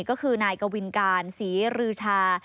ก็คือนายกวินการศรีรือชา